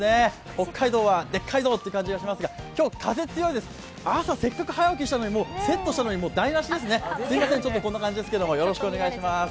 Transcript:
北海道は、でっかいどうという感じがしますが今日、風強いです、朝、せっかく早起きしたのにセットしたのに台なしですね、すみません、こんな感じですけど、よろしくお願いします。